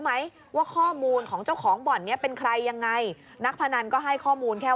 ไหมว่าข้อมูลของเจ้าของบ่อนนี้เป็นใครยังไงนักพนันก็ให้ข้อมูลแค่